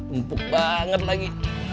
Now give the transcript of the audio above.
empuk banget lagi